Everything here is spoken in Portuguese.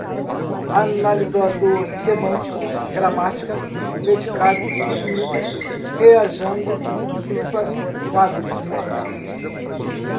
analisador, semântico, gramática, predicados, finito, rearranjado, triplas, quádruplas